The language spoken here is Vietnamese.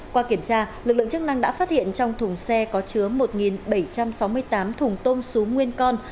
qua kiểm tra lực lượng chức năng đã phát hiện trong thùng xe có chứa một bảy trăm sáu mươi tám thùng tôm xú nguyên con